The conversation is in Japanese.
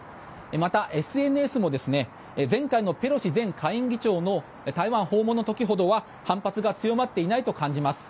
また、ＳＮＳも前回のペロシ前下院議長の台湾訪問の時ほどは反発が強まっていないと感じます。